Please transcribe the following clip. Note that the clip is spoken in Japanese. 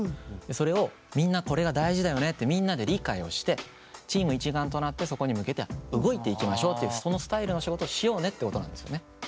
それをみんなこれが大事だよねってみんなで理解をしてチーム一丸となってそこに向けて動いていきましょうっていうそのスタイルの仕事をしようねってことなんですよね。